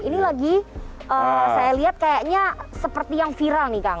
ini lagi saya lihat kayaknya seperti yang viral nih kang